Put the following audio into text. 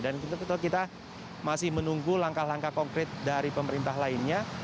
dan kita tetap kita masih menunggu langkah langkah konkret dari pemerintah lainnya